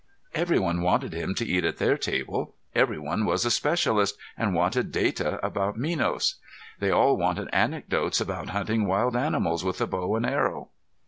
Everyone wanted him to eat at their table, everyone was a specialist and wanted data about Minos. They all wanted anecdotes about hunting wild animals with a bow and arrow.